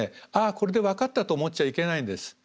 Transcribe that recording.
これで分かったと思っちゃいけないんです。